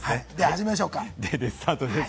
始めましょうか。